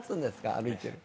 歩いてると。